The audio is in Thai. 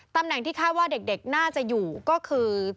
ตำแหน่งที่คาดว่าเด็กน่าจะอยู่ก็คือ